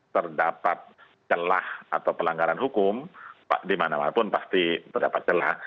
terdapat celah atau pelanggaran hukum dimanapun pasti terdapat celah